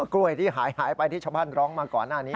กล้วยที่หายไปที่ชาวบ้านร้องมาก่อนหน้านี้